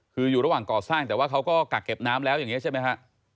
คืออยู่ระหว่างก่อสร้างแต่ว่าเขาก็กักเก็บน้ำแล้วอย่างนี้ใช่ไหมฮะ